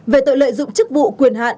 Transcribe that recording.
về tội lợi dụng chức vụ quyền hạn